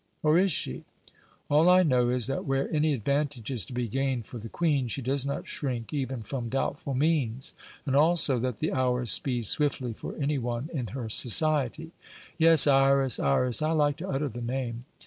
Or is she? All I know is that where any advantage is to be gained for the Queen, she does not shrink even from doubtful means, and also that the hours speed swiftly for any one in her society. Yes, Iras, Iras I like to utter the name.